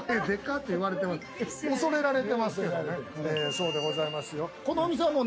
そうでございますよ。